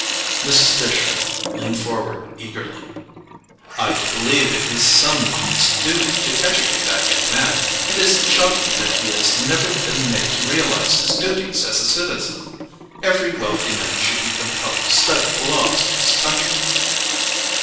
Mrs. Fisher leaned forward eagerly. "I do believe it is some one's duty to educate that young man. It is shocking that he has never been made to realize his duties as a citizen. Every wealthy man should be compelled to study the laws of his country."